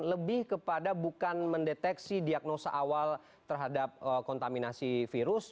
lebih kepada bukan mendeteksi diagnosa awal terhadap kontaminasi virus